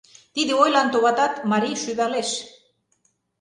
— Тиде ойлан, товатат, марий шӱвалеш.